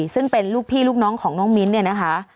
ซึ่งเป็นลูกพี่ลูกน้องของน้องมิ้นเนี่ยนะคะ